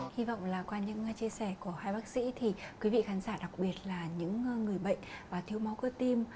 hy vọng là qua những chia sẻ của hai bác sĩ thì quý vị khán giả đặc biệt là những người bệnh thiếu máu cơ tim